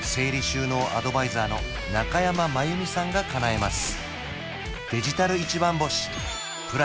収納アドバイザーの中山真由美さんがかなえます